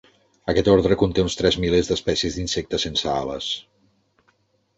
Aquest ordre conté uns tres milers d'espècies d'insectes sense ales.